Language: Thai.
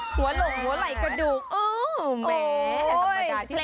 หัวหลงหัวไหล่กระดูกเออแหมธรรมดาที่ไหน